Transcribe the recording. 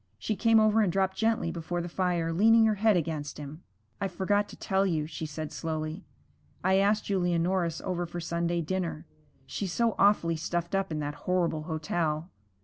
She came over and dropped gently before the fire, leaning her head against him. 'I forgot to tell you,' she said slowly. 'I asked Julia Norris over for Sunday dinner. She's so awfully stuffed up in that horrible hotel.'